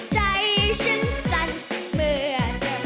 ใจฉันสั่นเมื่อเจอ